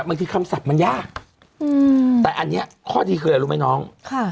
คำศัพท์มันยากแต่อันนี้ข้อดีคืออะไรรู้ไหมน้องค่ะ